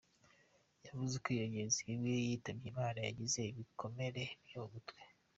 Yavuze ko iyo ngenzi imwe yitavye Imana yazize ibikomere vyo mu mutwe.